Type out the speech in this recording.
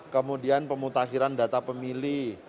kemudian pemutakhiran data pemilih